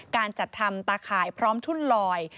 การจัดทำตาข่ายพร้อมทุ่นลอย